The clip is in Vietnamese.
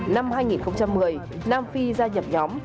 năm hai nghìn một mươi nam phi gia nhập nhóm